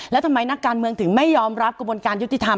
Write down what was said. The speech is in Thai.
แล้วทำไมนักการเมืองถึงไม่ยอมรับกระบวนการยุติธรรม